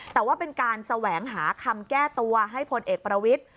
แต่ว่าเป็นการแสวงหาคำแก้ตัวให้พลเอกประวิทธิ์